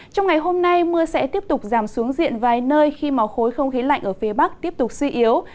trong ngày hôm nay mưa sẽ tiếp tục giảm xuống diện vài nơi khi màu khối không khí lạnh ở phía bắc tiếp tục suy yếu